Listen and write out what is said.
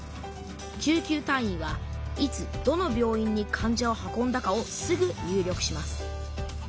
救急隊員はいつどの病院に患者を運んだかをすぐ入力します。